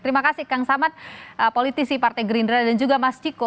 terima kasih kang samad politisi partai gerindra dan juga mas ciko